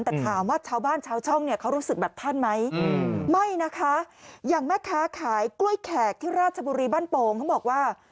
แต่ถามว่าชาวบ้านชาวช่องเนี่ยเขารู้สึกแบบท่านไหมไม่นะคะอย่างแม่ค้าขายกล้วยแขกที่ราชบุรีบ้านโป่งเขาบอกว่า